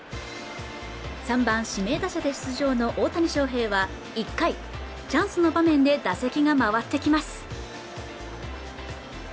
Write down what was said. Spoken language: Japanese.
３番指名打者で出場の大谷翔平は１回チャンスの場面で打席が回ってきます